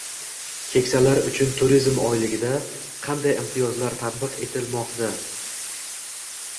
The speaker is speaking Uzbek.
“Keksalar uchun turizm oyligi”da qanday imtiyozlar tatbiq etilmoqda?ng